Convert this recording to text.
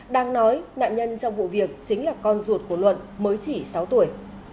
đang nói nạn nhân trong vụ việc chính là con ruột của luận mới chỉ sáu tuổi